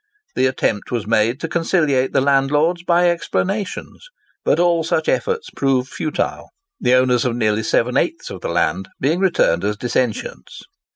The attempt was made to conciliate the landlords by explanations, but all such efforts proved futile, the owners of nearly seven eighths of the land being returned as dissentients.